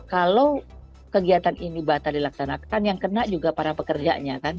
kalau kegiatan ini batal dilaksanakan yang kena juga para pekerjanya kan